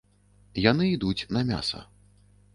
Яны ідуць на мяса.